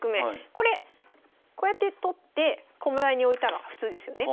これこうやって取って駒台に置いたら普通ですよね。